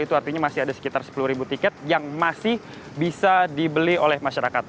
itu artinya masih ada sekitar sepuluh ribu tiket yang masih bisa dibeli oleh masyarakat